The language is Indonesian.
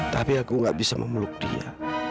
tapi aku gak bisa memeluk dia